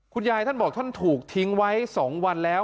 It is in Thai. คุณยายท่านบอกท่านถูกทิ้งไว้สองวันแล้ว